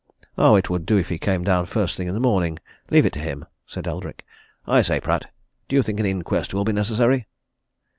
"Oh, it would do if he came down first thing in the morning leave it to him," said Eldrick. "I say, Pratt, do you think an inquest will be necessary?"